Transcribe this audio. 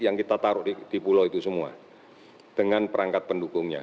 yang kita taruh di pulau itu semua dengan perangkat pendukungnya